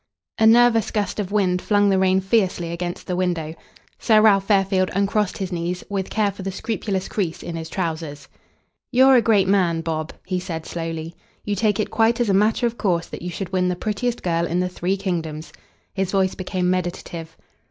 A nervous gust of wind flung the rain fiercely against the window. Sir Ralph Fairfield uncrossed his knees with care for the scrupulous crease in his trousers. "You're a great man, Bob," he said slowly. "You take it quite as a matter of course that you should win the prettiest girl in the three kingdoms." His voice became meditative.